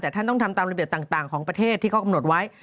แต่ท่านต้องทำตามระเบียบต่างของประเทศที่เขากำหนดไว้